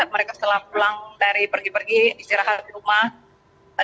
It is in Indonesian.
mereka setelah pulang dari pergi pergi istirahat di rumah